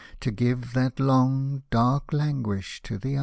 To give that long, dark languish to the eye.